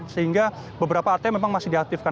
sehingga beberapa atm memang masih diaktifkan